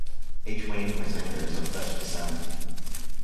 H. Wayne Huizenga is of Dutch descent.